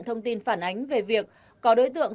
thông tin phản ánh về việc có đối tượng